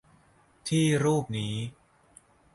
ที่รูปนี้